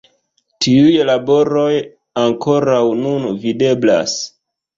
Tiuj laboroj ankoraŭ nun videblas.